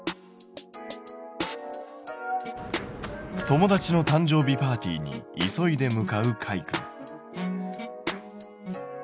友達の誕生日パーティーに急いで向かうかいくん。